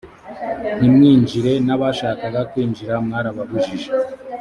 ntimwinjire n abashakaga kwinjira mwarababujije